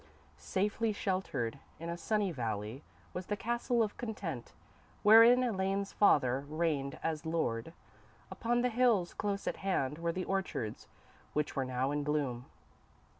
_ _Safely sheltered in a sunny valley was the Castle of Content, wherein Elaine's father reigned as Lord. Upon the hills close at hand were the orchards, which were now in bloom.